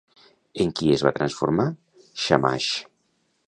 En qui es va transformar Shamash?